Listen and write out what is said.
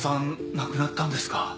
亡くなったんですか。